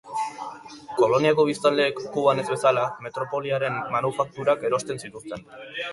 Koloniako biztanleek, Kuban ez bezala, metropoliaren manufakturak erosten zituzten.